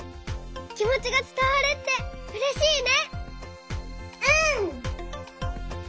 きもちがつたわるってうれしいね！